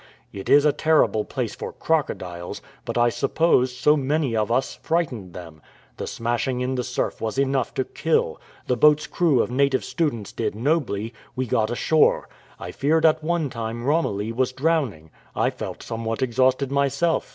It is a terrible place for crocodiles, but I suppose so many of us frightened them. The smashing in the surf was enough to kill. The boafs crew of native students did nobly. We got ashore. I feared at one time Romilly was drown ing. I felt somewhat exhausted myself.